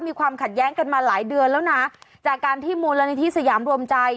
มีความขัดแย้งกันมาหลายเดือนแล้วนะจากการที่มูลนิธิสยามรวมใจ